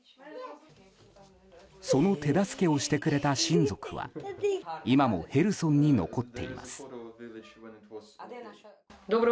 その手助けをしてくれた親族は今もヘルソンに残っています。